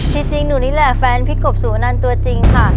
จริงหนูนี่แหละแฟนพี่กบสุวนันตัวจริงค่ะ